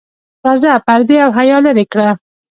راځه پردې او حیا لرې کړه.